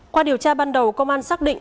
qua điều tra ban đầu công an xác định